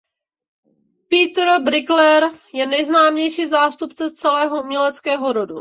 Pieter Brueghel je nejznámější zástupce celého uměleckého rodu.